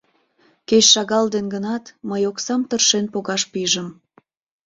Кеч шагал ден гынат, мый оксам тыршен погаш пижым.